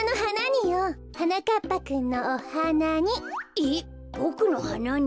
えっボクのはなに？